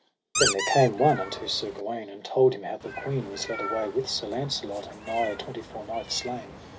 Then there came one unto Sir Gawaine, and told him how the queen was led away with Sir Launcelot, and nigh a twenty four knights slain.